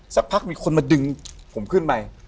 สักพักมีคนมาดึงผมขึ้นไป